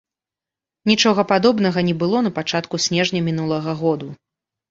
Нічога падобнага не было напачатку снежня мінулага году.